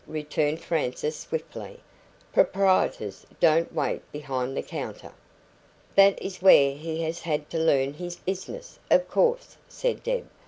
returned Frances swiftly. "Proprietors don't wait behind the counter." "That is where he has had to learn his business, of course," said Deb.